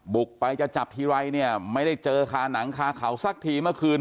บุกไปจะจับทีไรเนี่ยไม่ได้เจอคาหนังคาเขาสักทีเมื่อคืน